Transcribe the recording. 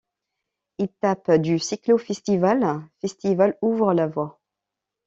Etape du cyclo-festival festival Ouvre La Voix.